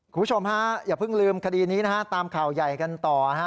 คุณผู้ชมฮะอย่าเพิ่งลืมคดีนี้นะฮะตามข่าวใหญ่กันต่อฮะ